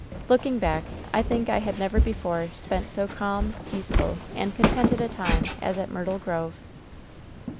"Looking back, I think I had never before spent so calm, peaceful and contented a time as at Myrtle Orove."